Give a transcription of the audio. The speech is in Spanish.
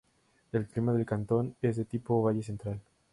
El clima del cantón es de tipo Valle Central.